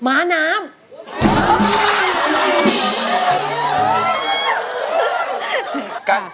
หนูอยากกินอันนี้